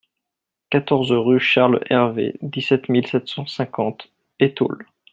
quatorze rue Charles Hervé, dix-sept mille sept cent cinquante Étaules